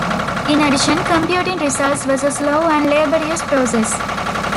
In addition, computing results was a slow and laborious process.